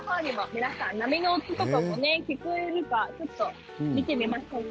皆さん波の音とかも聞こえるか見てみましょうか？